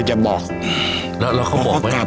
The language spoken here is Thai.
ผมจะมีรูปภาพของพระพิสุนุกรรม